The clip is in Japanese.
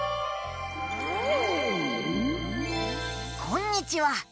こんにちは。